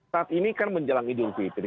saat ini kan menjelang idul fitri